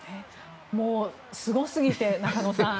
すごすぎて、中野さん。